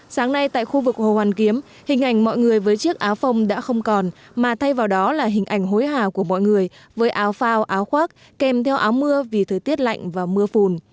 sáng nay tại khu vực hồ hoàn kiếm hình ảnh mọi người với chiếc áo phông đã không còn mà thay vào đó là hình ảnh hối hào của mọi người với áo phao áo khoác kèm theo áo mưa vì thời tiết lạnh và mưa phùn